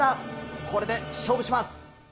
これで勝負します。